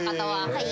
はい。